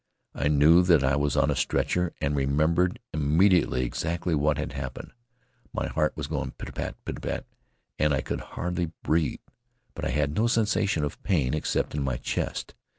I knew that I was on a stretcher and remembered immediately exactly what had happened. My heart was going pit a pat, pit a pat, and I could hardly breathe, but I had no sensation of pain except in my chest.